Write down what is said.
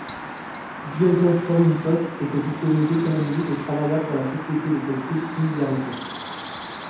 Győző Forintos était diplômé d'économie et travailla pour la société de textile Hungarotex.